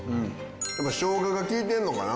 やっぱしょうがが利いてるのかな？